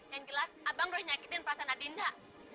yang jelas abang udah nyakitin perasaan adinda